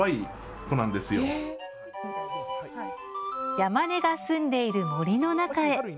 ヤマネが住んでいる森の中へ。